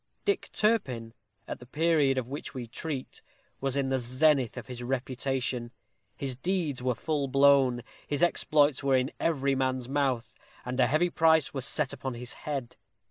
Dick Turpin, at the period of which we treat, was in the zenith of his reputation. His deeds were full blown; his exploits were in every man's mouth; and a heavy price was set upon his head.